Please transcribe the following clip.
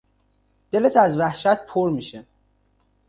دلت از وحشت پُر میشه.